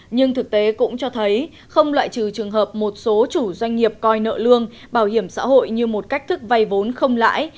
nhưng thực tế cũng cho thấy không loại trừ trường hợp một số chủ doanh nghiệp coi nợ lương bảo hiểm xã hội như một cách thức vay vốn không lãi